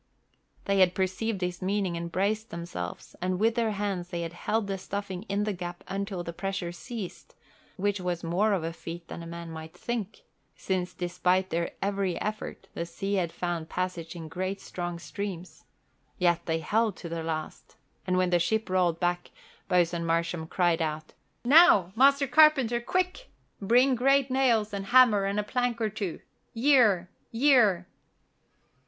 They had perceived his meaning and braced themselves and with their hands they had held the stuffing in the gap until the pressure ceased, which was more of a feat than a man might think, since despite their every effort the sea had found passage in great strong streams, yet they held to the last; and when the ship rolled back, Boatswain Marsham cried out: "Now, Master Carpenter, quick! Bring great nails and hammer and a plank or two. Yare, yare!"